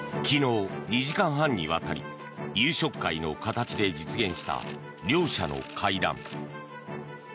昨日、２時間半にわたり夕食会の形で実現した両者の会談。